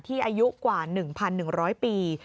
อายุกว่า๑๑๐๐ปี